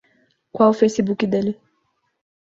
Qual o Facebook dele?